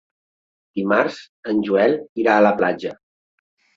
Dimarts en Joel irà a la platja.